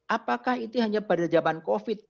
apakah itu hanya pada zaman covid